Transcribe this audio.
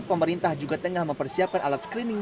pemerintah juga tengah mempersiapkan alat screening